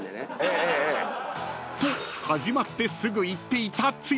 ［と始まってすぐ言っていた剛］